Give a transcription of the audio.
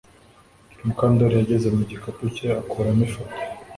Mukandoli yageze mu gikapu cye akuramo ifoto